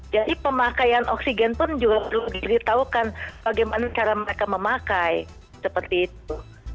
jadi pemakaian oksigen pun juga perlu diketahukan bagaimana cara mereka memakai seperti itu